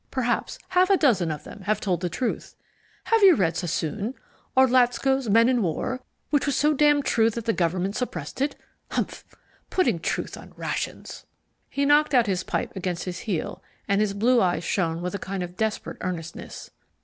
Perhaps half a dozen of them have told the truth. Have you read Sassoon? Or Latzko's Men in War, which was so damned true that the government suppressed it? Humph! Putting Truth on rations!" He knocked out his pipe against his heel, and his blue eyes shone with a kind of desperate earnestness.